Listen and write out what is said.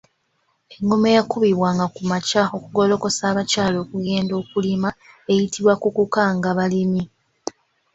Engoma eyakubibwanga ku makya okugolokosa abakyala okugenda okulima eyitibwa Kuukukkangabalimi.